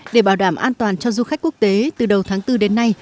để bảo đảm an toàn cho du khách quốc tế từ đầu tháng bốn đến nay